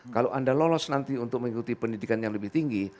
kalau anda lolos nanti untuk mengikuti pendidikan yang lebih tinggi